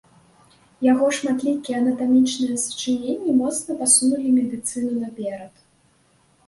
Яго шматлікія анатамічныя сачыненні моцна пасунулі медыцыну наперад.